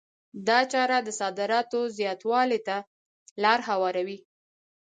دا چاره د صادراتو زیاتوالي ته لار هواروي.